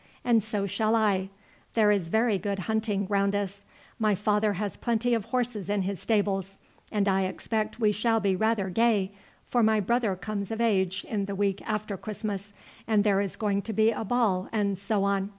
And so shall I. There is very good hunting round us. My father has plenty of horses in his stables, and I expect we shall be rather gay, for my brother comes of age in the week after Christmas, and there is going to be a ball and so on.